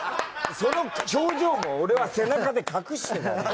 その表情も俺は背中で隠してんだから。